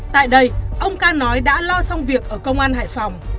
tại đây ông ca nói đã lo xong việc ở công an hải phòng